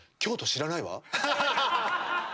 知らない。